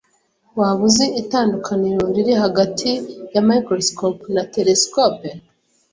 Waba uzi itandukaniro riri hagati ya microscope na telesikope?